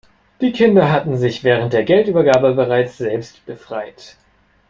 Die Kinder hatten sich während der Geldübergabe bereits selbst befreit.